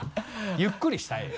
ゆっくりしたいよね。